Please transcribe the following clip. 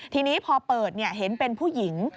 ทีนี้พอเปิดเห็นเป็นผู้หญิง